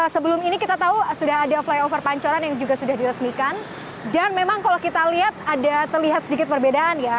sebelum ini kita tahu sudah ada flyover pancoran yang juga sudah diresmikan dan memang kalau kita lihat ada terlihat sedikit perbedaan ya